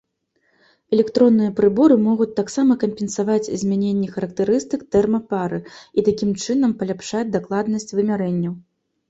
Электронныя прыборы могуць таксама кампенсаваць змяненні характарыстык тэрмапары, і такім чынам паляпшаць дакладнасць вымярэнняў.